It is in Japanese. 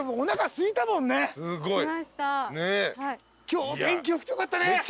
今日天気良くてよかったね。